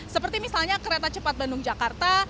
seperti misalnya kereta cepat bandung jakarta